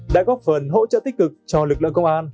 đã góp phần hỗ trợ tích cực cho lực lượng công an